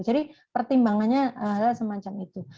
jadi pertimbangannya semacam itu